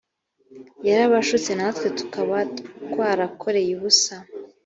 yarabashutse natwe tukaba twarakoreye ubusa